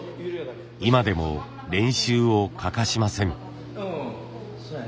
今でも練習を欠かしません。